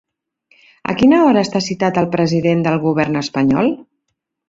A quina hora està citat el president del Govern espanyol?